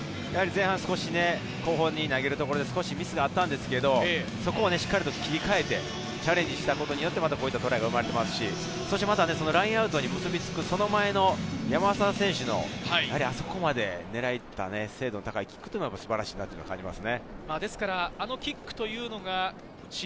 前半少し、後方に投げるところでミスがあったんですが、そこをしっかり切り替えて、チャレンジしたことによってこういったトライが生まれてますし、ラインアウトに結びつく、その前の山沢選手の、あそこまで狙った精度の高いキックも素晴らしかったですね。